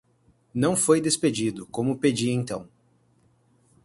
Não foi despedido, como pedia então;